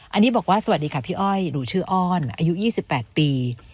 อันนี้บอกว่าสวัสดีค่ะพี่อ้อยหนูชื่ออ้อนอายุ๒๘ปี